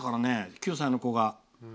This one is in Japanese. ９歳の子が。